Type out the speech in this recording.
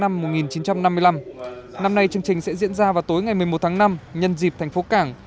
năm nay chương trình sẽ diễn ra vào tối ngày một mươi một tháng năm nhân dịp thành phố cảng